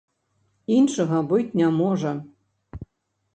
Іншага быць не можа.